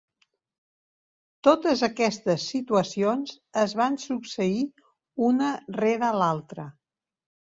Totes aquestes situacions es van succeir una rere l'altra.